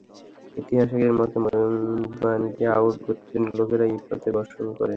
ঐতিহাসিকদের মতে, মুসলিম বাহিনী হতে আউস গোত্রের লোকেরাই এই পাথর বর্ষণ করে।